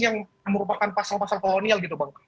yang merupakan pasal pasal kolonial gitu bang